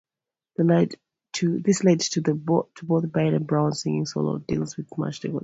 This led to both Byrd and Brown's signing solo deals with Smash Records.